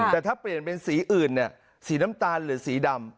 แต่ถ้าเปลี่ยนเป็นสีอื่นสีน้ำตาลหรือสีดำ